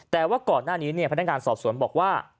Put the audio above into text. แต่ว่าก่อนหน้านี้พนักงานสอบสวนบอกว่า